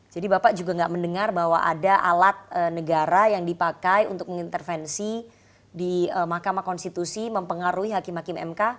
jadi bapak juga gak mendengar bahwa ada alat negara yang dipakai untuk mengintervensi di mahkamah konstitusi mempengaruhi hakim hakim mk